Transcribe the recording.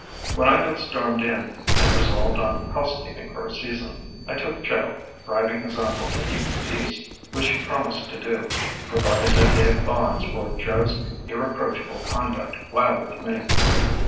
When I got stormed in, and resolved on housekeeping for a season, I took Joe, bribing his uncle to keep the peace, which he promised to do, provided I gave bonds for Joe's irreproachable conduct while with me.